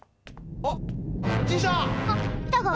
あっ！